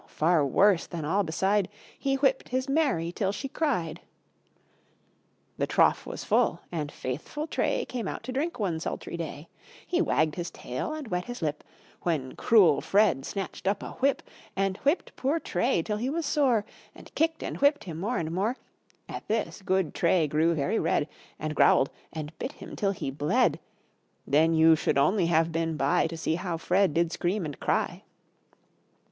far worse than all beside, He whipped his Mary, till she cried. The trough was full, and faithful Tray Came out to drink one sultry day; He wagged his tail, and wet his lip, When cruel Fred snatched up a whip, And whipped poor Tray till he was sore, And kicked and whipped him more and more: At this, good Tray grew very red, And growled, and bit him till he bled; Then you should only have been by, To see how Fred did scream and cry!